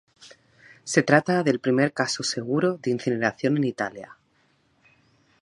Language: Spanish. Se trata del primer caso seguro de incineración en Italia.